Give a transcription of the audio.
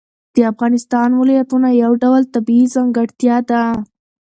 د افغانستان ولایتونه یو ډول طبیعي ځانګړتیا ده.